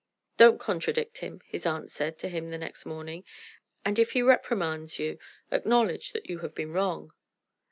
"Don't contradict him," his aunt said to him the next morning, "and if he reprimands you, acknowledge that you have been wrong."